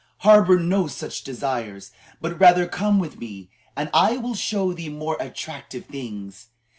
"Harbor no such desires, but rather come with me and I will show thee more attractive things.